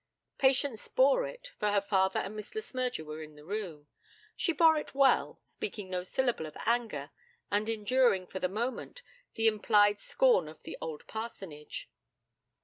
Patience bore it for her father and Miss Le Smyrger were in the room she bore it well, speaking no syllable of anger, and enduring, for the moment, the implied scorn of the old parsonage.